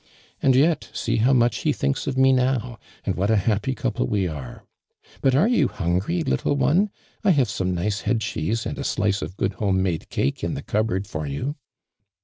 And, yet, see how much he thinks of me now, and what a happy couple we are. But are you hungry, little one ? I have some nice head cheese imd a slice of good home made cake in the cupboard for you."